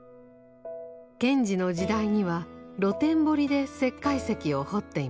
賢治の時代には露天掘りで石灰石を掘っていました。